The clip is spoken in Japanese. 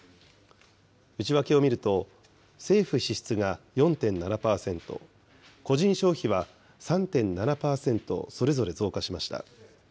内訳を見ると、政府支出が４．７％、個人消費は３．７％それぞれ増加しました。